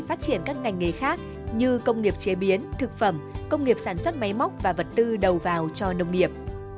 phát triển các ngành nghề khác như công nghiệp chế biến thực phẩm công nghiệp sản xuất máy móc và vật tư đầu vào cho nông nghiệp